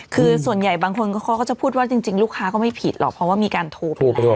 คือส่วนใหญ่บางคนเขาก็จะพูดว่าจริงลูกค้าก็ไม่ผิดหรอกเพราะว่ามีการโทรไปด้วย